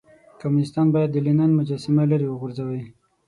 کمونيستان بايد د لينن مجسمه ليرې وغورځوئ.